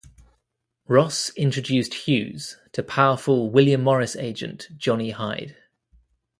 Ross introduced Hughes to powerful William Morris agent Johnny Hyde.